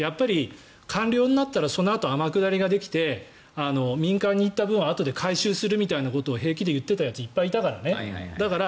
官僚になったらそのあと天下りができて民間に行ったあとに回収するみたいな話を平気でしてる人がいたからね。